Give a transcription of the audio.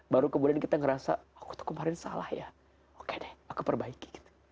baru kemudian kita ngerasa aku kemarin salah ya oke deh aku perbaiki